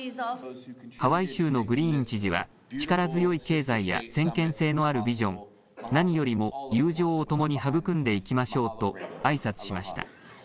ハワイ州のグリーン知事は力強い経済や先見性のあるビジョン、何よりも友情をともに育んでいきましょうとあいさつしました。